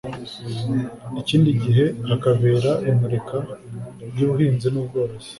ikindi gihe hakabera imurika ry’ubuhinzi n’ubworozi